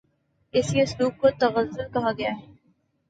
اسی اسلوب کو تغزل کہا گیا ہے